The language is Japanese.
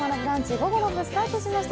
午後の部スタートしました。